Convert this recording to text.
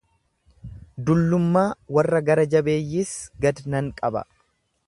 Dullummaa warra gara-jabeeyyiis gad nan qaba.